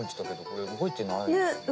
ねっ動いてない。